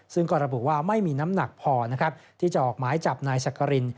ซึ่งก็ระบุว่าไม่มีน้ำหนักพอนะครับที่จะออกหมายจับนายสักกริน